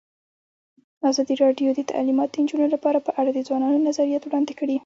ازادي راډیو د تعلیمات د نجونو لپاره په اړه د ځوانانو نظریات وړاندې کړي.